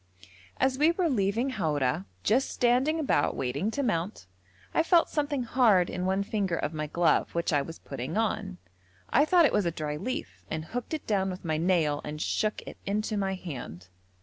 As we were leaving Haura, just standing about waiting to mount, I felt something hard in one finger of my glove which I was putting on. I thought it was a dry leaf and hooked it down with my nail and shook it into my hand.